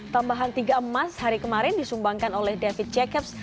tambahan tiga emas hari kemarin disumbangkan oleh david jacobs